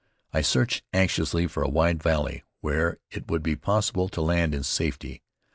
I searched anxiously for a wide valley where it would be possible to land in safety.